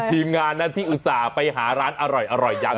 ทีมงานนั้นที่อุตส่าห์ไปหาร้านอร่อยอย่าง